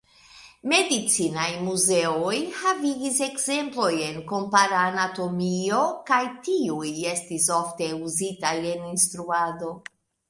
Medicinaj muzeoj havigis ekzemploj en kompara anatomio, kaj tiuj estis ofte uzitaj en instruado.